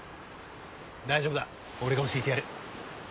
大丈夫だ俺が教えてやる。